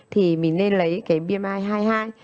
thì mình nên lấy cái bmi hai mươi hai